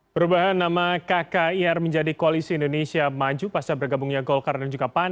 perubahan nama kkir menjadi koalisi indonesia maju pasca bergabungnya golkar dan juga pan